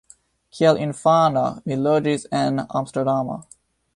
Kiel infano mi loĝis en Amsterdamo.